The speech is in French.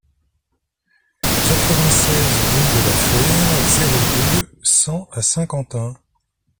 quatre-vingt-seize rue de la Fère, zéro deux, cent à Saint-Quentin